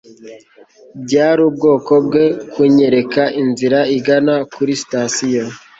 byari ubwoko bwe kunyereka inzira igana kuri sitasiyo